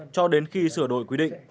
cho đến khi sửa đổi quy định